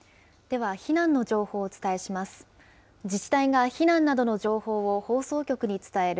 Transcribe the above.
では、避難の情報をお伝えします。